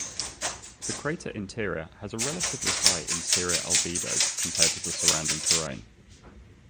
The crater interior has a relatively high interior albedo compared to the surrounding terrain.